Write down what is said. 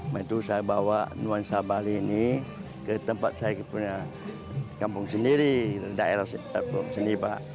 nah itu saya bawa nuansa bali ini ke tempat saya punya kampung sendiri daerah sendiri pak